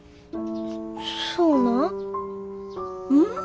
そうなん？